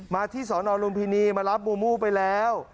มาที่สอนอลุมพินีมารับมูมูไปแล้ว